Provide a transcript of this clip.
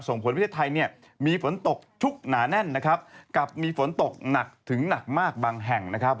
ส่งผลประเทศไทยเนี่ยมีฝนตกชุกหนาแน่นนะครับกับมีฝนตกหนักถึงหนักมากบางแห่งนะครับ